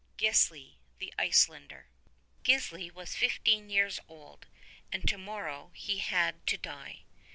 48 GISLI THE ICELANDER. ISLI was fifteen years old, and to morrow he had to ^ die.